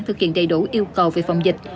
thực hiện đầy đủ yêu cầu về phòng dịch